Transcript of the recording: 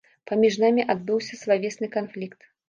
Паміж намі адбыўся славесны канфлікт.